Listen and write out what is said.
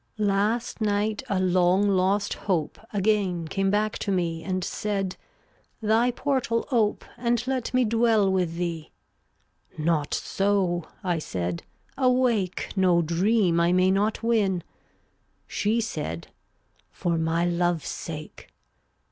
360 Last night a long lost Hope Again came back to me And said: "Thy portal ope And let me dwell with thee." "Not so," I said; "awake No dream I may not win." She said: "For my love's sake."